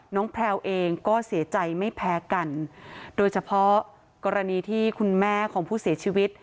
แพลวเองก็เสียใจไม่แพ้กันโดยเฉพาะกรณีที่คุณแม่ของผู้เสียชีวิต